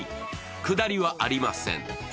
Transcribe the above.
下りはありません。